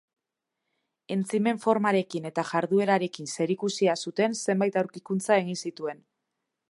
Entzimen formarekin eta jarduerarekin zerikusia zuten zenbait aurkikuntza egin zituen.